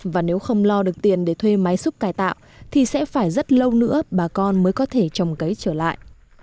và nếu không lo được tiền để thuê máy xúc cải tạo thì sẽ phải rất lâu nữa bà con mới có thể trồng cấy trở lại